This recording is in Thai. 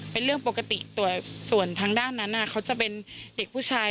เป็นเรื่องปกติส่วนทางด้านนั้นเขาจะเป็นเด็กผู้ชาย